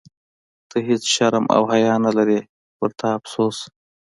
ته هیڅ شرم او حیا نه لرې، په تا افسوس.